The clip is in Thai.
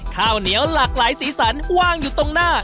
ข้าวเหนียวหลากหลายสีสันว่างอยู่ตรงหน้า